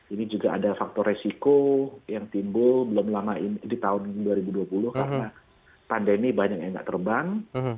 ini juga ada faktor resiko yang timbul belum lama ini di tahun dua ribu dua puluh karena pandemi banyak yang tidak terbang